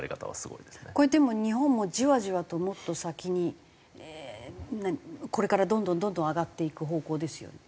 これでも日本もじわじわともっと先にこれからどんどんどんどん上がっていく方向ですよね？